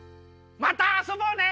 またあそぼうね。